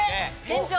現状